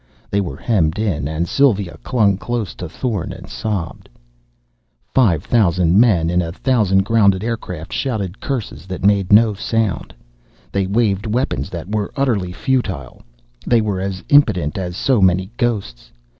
They were hemmed in, and Sylva clung close to Thorn and sobbed.... Five thousand men, in a thousand grounded aircraft, shouted curses that made no sound. They waved weapons that were utterly futile. They were as impotent as so many ghosts.